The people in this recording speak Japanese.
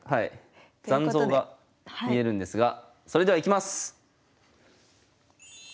残像が見えるんですがそれではいきます！